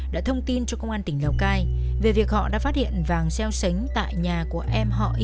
đã thông tin cho công an tỉnh nào cai về việc họ đã phát hiện vàng xeo sánh tại nhà của em họ y thuộc xã nà xì